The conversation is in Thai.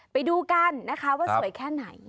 ไปดูกันว่าสวยแค่ไหน